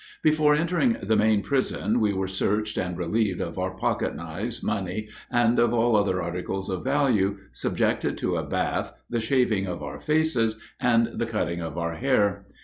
Before entering the main prison we were searched and relieved of our pocket knives, money, and of all other articles of value, subjected to a bath, the shaving of our faces, and the cutting of our hair.